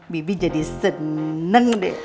bibi jadi seneng den